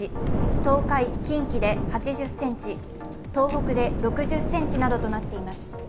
東海、近畿で８０ｃｍ、東北で６０ｃｍなどとなっています。